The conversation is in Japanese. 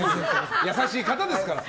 優しい方ですから。